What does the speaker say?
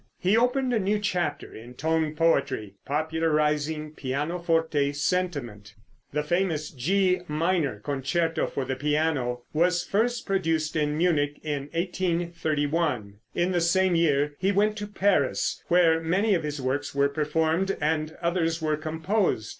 He opened a new chapter in tone poetry, popularizing pianoforte sentiment. The famous G minor concerto for the piano was first produced in Munich in 1831. In the same year he went to Paris, where many of his works were performed and others were composed.